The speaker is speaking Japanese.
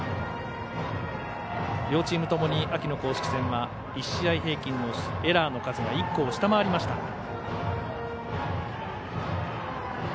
両チームともに秋の公式戦は１試合平均のエラーの数が１個を下回りました。